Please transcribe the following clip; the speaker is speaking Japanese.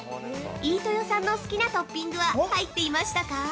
飯豊さんの好きなトッピングは入っていましたか？